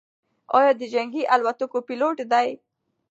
ایا ده د جنګي الوتکو پیلوټ دی؟